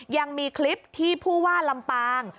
ยังมีคลิปที่ผู้ว่าลำปาง